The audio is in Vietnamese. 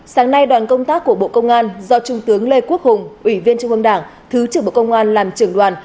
sáng nay đoàn công tác của bộ công an do trung tướng lê quốc hùng ủy viên trung ương đảng thứ trưởng bộ công an làm trưởng đoàn